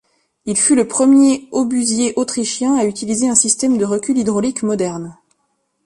Il fut le premier obusier autrichien à utiliser un système de recul hydraulique moderne.